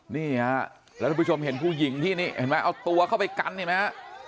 นี่ฮะแล้วทุกผู้ชมเห็นผู้หญิงที่นี่เห็นไหมเอาตัวเข้าไปกันเห็นไหมฮะ